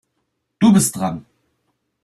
Du bist dran.